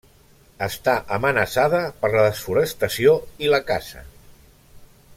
Està amenaçada per la desforestació i la caça.